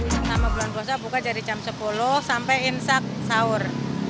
selama bulan puasa buka dari jam sepuluh sampai insak sahur